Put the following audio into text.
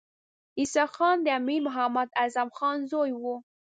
اسحق خان د امیر محمد اعظم خان زوی وو.